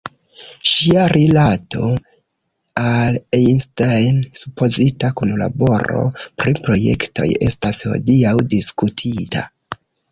Ŝia rilato al Einstein, supozita kunlaboro pri projektoj estas hodiaŭ diskutita.